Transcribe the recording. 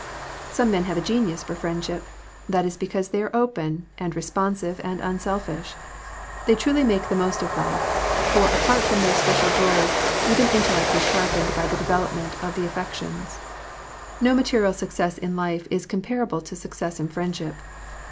Some men have a genius for friend ship. That is because they are open, and responsive, and unselfish. They truly make the most of life; for apart from their special joys, even intellect is sharpened by the development of the af fections. No material success in life is comparable to success in. friendship.